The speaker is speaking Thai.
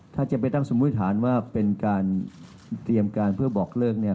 ถ้าจะไปตั้งสมมุติฐานว่าเป็นการเตรียมการเพื่อบอกเลิกเนี่ย